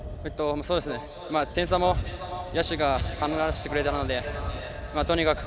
点差も野手が離してくれたのでとにかく